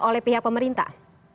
oleh pihak pemerintah